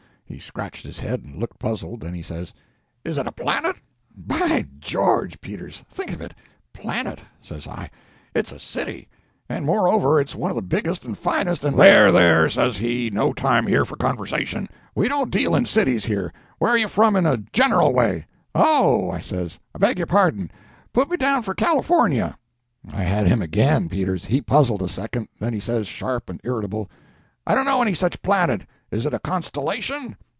He scratched his head and looked puzzled, then he says— "Is it a planet?" By George, Peters, think of it! "Planet?" says I; "it's a city. And moreover, it's one of the biggest and finest and—" "There, there!" says he, "no time here for conversation. We don't deal in cities here. Where are you from in a general way?" "Oh," I says, "I beg your pardon. Put me down for California." I had him again, Peters! He puzzled a second, then he says, sharp and irritable— "I don't know any such planet—is it a constellation?"